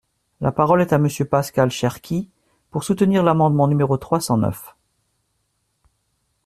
La parole est à Monsieur Pascal Cherki, pour soutenir l’amendement numéro trois cent neuf.